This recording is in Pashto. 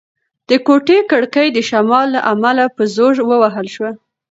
د کوټې کړکۍ د شمال له امله په زوره ووهل شوه.